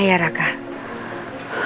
udah ma udah ma